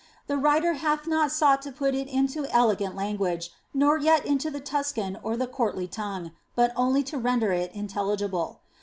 The writer hath not sought to put it into elegant language, nor yet into the Tuscan or the courtly tongue, but only to render it intelligible.